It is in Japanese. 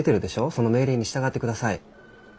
その命令に従ってください。